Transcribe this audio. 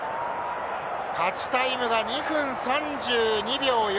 勝ちタイムが２分３２秒４。